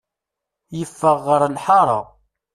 Yeffeɣ ɣer lḥara.